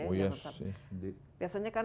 oh yes biasanya kan